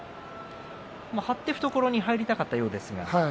張っていくところに入りたかったようですね。